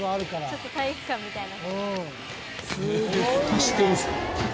ちょっと体育館みたいな。